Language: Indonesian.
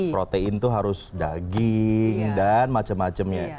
protein tuh harus daging dan macam macamnya